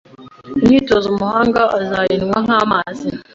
Imyitozo umuhanga azayinywa nk’amazi